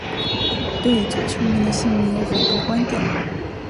对左丘明的姓名有很多观点。